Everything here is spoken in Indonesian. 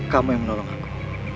kamu yang menolong aku